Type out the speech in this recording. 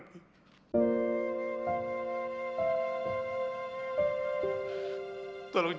tapi apa yang akan terjadi